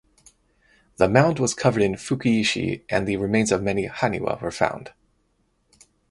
The mound was covered in "fukiishi" and the remains of many "haniwa" were found.